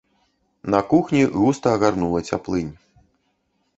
На кухні густа агарнула цяплынь.